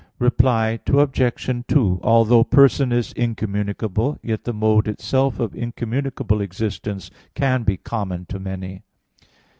Reply Obj. 2: Although person is incommunicable, yet the mode itself of incommunicable existence can be common to many.